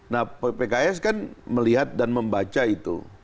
nah pks kan melihat dan membaca itu